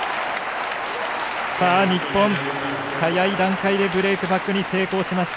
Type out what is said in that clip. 日本、早い段階でブレークバックに成功しました。